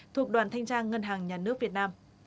thuộc đoàn thanh tra ngân hàng nhà nước việt nam